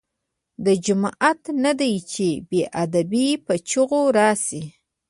دا جومات نه دی چې بې ادب په چیغو راشې.